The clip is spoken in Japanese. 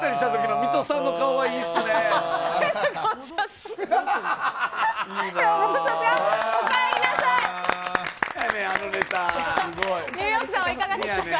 ニューヨークさんはいかがでしたか？